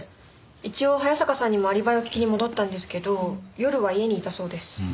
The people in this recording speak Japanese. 一応早坂さんにもアリバイを聞きに戻ったんですけど夜は家にいたそうです。